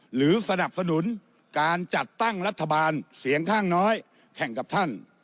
หรือสนับสนุนการจัดตั้งรัฐบาลเสียงข้างน้อยแข่งกับท่าน